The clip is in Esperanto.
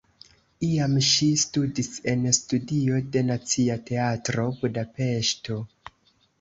Iam ŝi studis en studio de Nacia Teatro (Budapeŝto).